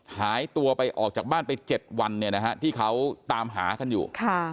หายตัวไปออกจากบ้านไป๗วันที่เขาตามหากันอยู่